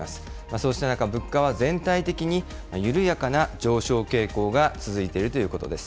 そうした中、物価は全体的に緩やかな上昇傾向が続いているということです。